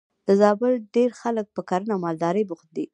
د زابل ډېری خلک په کرنه او مالدارۍ بوخت دي.